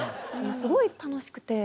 すごい楽しくて。